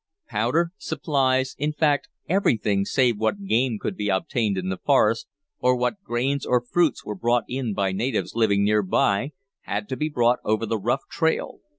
Powder, supplies, in fact everything save what game could be obtained in the forest, or what grains or fruits were brought in by natives living near by, had to be brought over the rough trail.